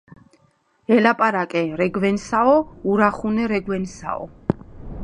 ელაპარაკე რეგვენსაო, ურახუნე რეგვენსაო.